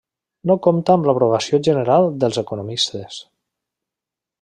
No compta amb l'aprovació general dels economistes.